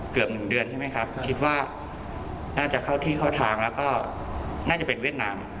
หนึ่งเดือนใช่ไหมครับคิดว่าน่าจะเข้าที่เข้าทางแล้วก็น่าจะเป็นเวียดนาม